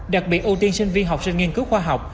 đặc biệt ưu tiên sinh viên học sinh nghiên cứu khoa học